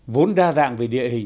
vốn đa dạng về địa hình